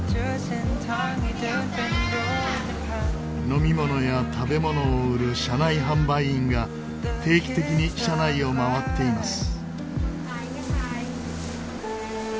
飲み物や食べ物を売る車内販売員が定期的に車内を回っています。